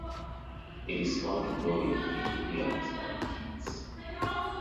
It is found growing in woodlands and heaths.